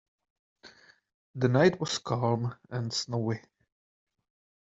The night was calm and snowy.